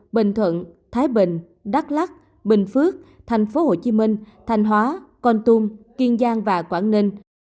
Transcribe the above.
bình thuận thái bình đắk lắc bình phước tp hcm thành hóa con tung kiên giang và quảng ninh